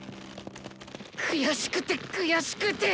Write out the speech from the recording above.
悔しくて悔しくて！